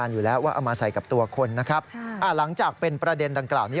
คล้ายทำนองนี้